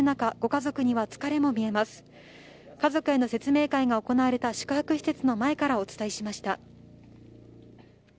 家族への説明会が行われた宿泊施設の前からお伝えしました。